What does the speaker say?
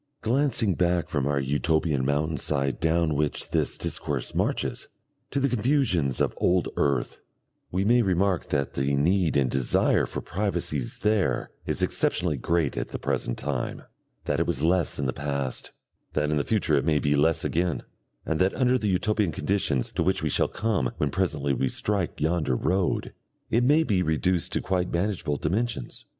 Glancing back from our Utopian mountain side down which this discourse marches, to the confusions of old earth, we may remark that the need and desire for privacies there is exceptionally great at the present time, that it was less in the past, that in the future it may be less again, and that under the Utopian conditions to which we shall come when presently we strike yonder road, it may be reduced to quite manageable dimensions.